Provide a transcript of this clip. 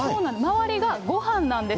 周りがごはんなんです。